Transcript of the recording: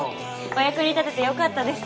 お役に立てて良かったです。